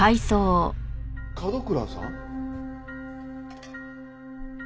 角倉さん？